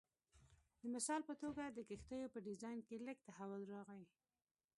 د مثال په توګه د کښتیو په ډیزاین کې لږ تحول راغی